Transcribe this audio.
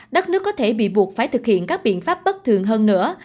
đất nước có thể bị buộc phải thực hiện các biện pháp bất thường hơn nữa